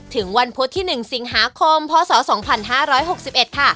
ถึงวันพุธที่๑สิงหาคมพศ๒๕๖๑ค่ะ